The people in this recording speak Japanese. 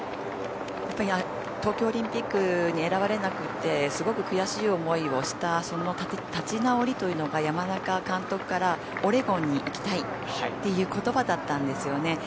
東京オリンピックに選ばれなくてすごく悔しい思いをしたその立ち直りというのが山中監督からオレゴンに行きたいという言葉だったんですよね。